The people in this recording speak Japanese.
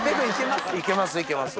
いけますいけます。